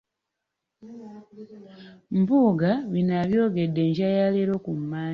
Mpuuga bino abyogedde enkya ya leero ku Mmande .